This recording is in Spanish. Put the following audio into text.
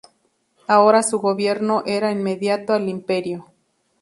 Ahora su gobierno era inmediato al Imperio.